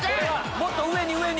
もっと上に上に！